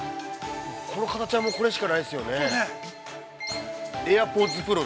◆この形は、もうこれしかないですよね。